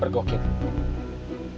siapa juga yang mau sama gustaf